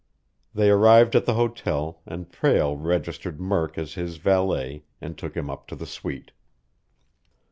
They arrived at the hotel, and Prale registered Murk as his valet and took him up to the suite.